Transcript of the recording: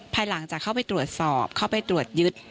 ภายหลังจากเข้าไปตรวจสอบเข้าไปตรวจยึด